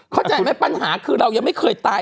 เข้าใจไหมปัญหาคือเรายังไม่เคยตาย